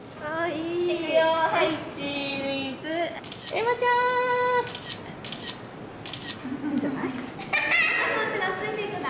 恵麻の後ろついていくぞ！